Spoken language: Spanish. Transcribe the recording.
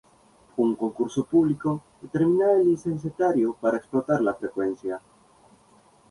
Un concurso público determinará el licenciatario para explotar la frecuencia.